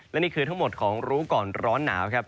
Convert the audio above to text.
และนี่คือทั้งหมดของรู้ก่อนร้อนหนาวครับ